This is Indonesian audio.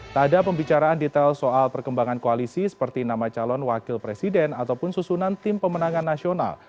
tak ada pembicaraan detail soal perkembangan koalisi seperti nama calon wakil presiden ataupun susunan tim pemenangan nasional